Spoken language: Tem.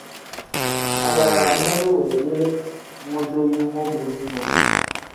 Alaraami li weeyele modoyuu mobo zimaa.